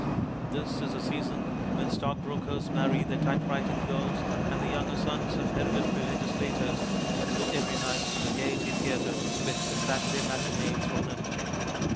This 206 MONOLOGUES is the season when stockbrokers marry their typewriting girls and the younger sons of hereditary legislators go every night to the Gaiety Theatre, with a Saturday matinee thrown in.